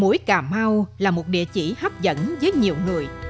muối cà mau là một địa chỉ hấp dẫn với nhiều người